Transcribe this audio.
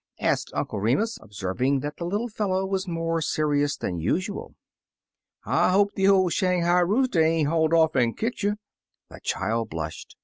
*' asked Uncle Remus, observing that the little fellow was more serious than usual. "I hope de oF Shanghai rooster ain't hauled off an' kicked 52 Taily Po you." The child blushed.